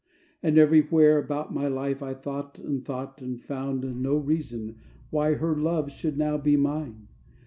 And everywhere About my life I thought and thought And found no reason why her love Should now be mine.